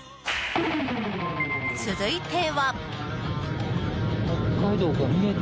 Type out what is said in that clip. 続いては。